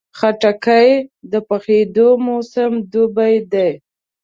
خټکی د پخېدو موسم دوبی دی.